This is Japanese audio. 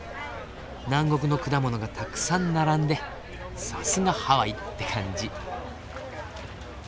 南国の果物がたくさん並んでさすがハワイって感じ。